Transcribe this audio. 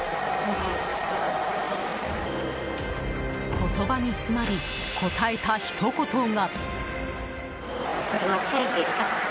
言葉に詰まり答えたひと言が。